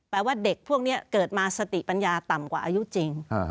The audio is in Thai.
ว่าเด็กพวกนี้เกิดมาสติปัญญาต่ำกว่าอายุจริง